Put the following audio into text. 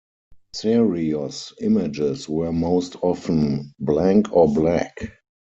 Serios' images were most often blank or black.